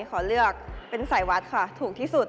ขอเลือกเป็นสายวัดค่ะถูกที่สุด